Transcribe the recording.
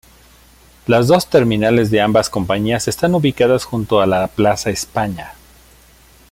Las dos terminales de ambas compañías están ubicadas junto a la plaza España.